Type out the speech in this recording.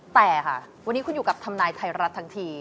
แต่ค่ะวันนี้คุณอยู่กับทำนายไทยรัฐทั้งที